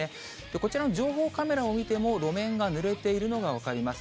こちらの情報カメラを見ても、路面がぬれているのが分かります。